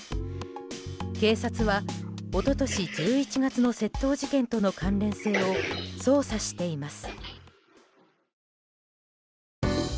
警察は一昨年１１月の窃盗事件との関連性を捜査しています。